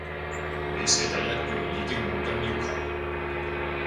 你寫第一句已經冇跟要求